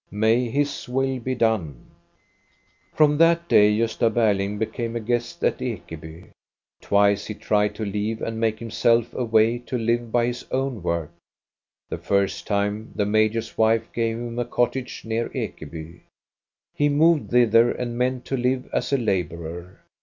May His will be done !" From that day Gosta Berling became a guest at Ekeby. Twice he tried to leave and make himself a way to live by his own work. The first time the major's wife gave him a cottage near Ekeby ; he moved thither and meant to live as a laborer.